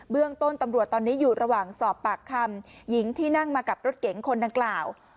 เรื่องต้นตำรวจตอนนี้อยู่ระหว่างสอบปากคำหญิงที่นั่งมากับรถเก๋งคนดังกล่าว